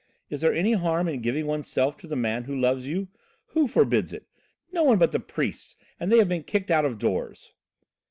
Is there any harm in giving oneself to the man who loves you? Who forbids it? No one but the priests, and they have been kicked out of doors!"